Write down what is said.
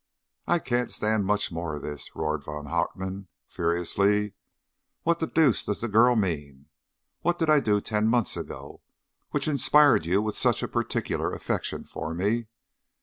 "I can't stand much more of this," roared Von Hartmann furiously. "What the deuce does the girl mean? What did I do ten months ago which inspired you with such a particular affection for me?